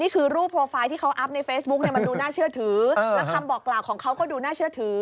เขาก็ดูน่าเชื่อถือ